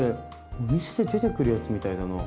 お店で出てくるやつみたいだな。